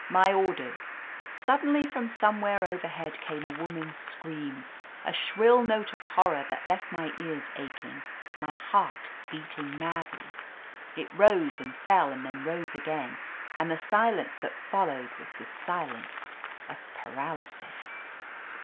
"My or ders—" Suddenly, from somewhere overhead came a woman's scream, a shrill note of horror that left my ears aching, my heart beating madly. It rose and fell and then rose again, and the silence that followed was the silence of paraly sis.